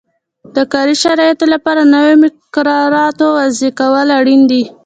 د کاري شرایطو لپاره نویو مقرراتو وضعه کول اړین دي.